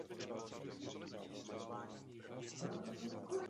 Nádraží bylo v součástí tratě Petite Ceinture.